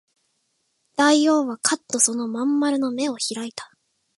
大王はかっとその真ん丸の眼を開いた